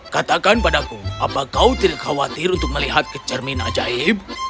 katakan padaku apa kau tidak khawatir untuk melihat kecermin ajaib